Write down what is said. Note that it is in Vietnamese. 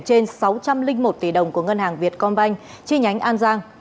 trên sáu trăm linh một tỷ đồng của ngân hàng việt công banh chi nhánh an giang